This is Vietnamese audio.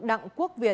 đặng quốc gia